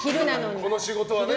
この仕事はね。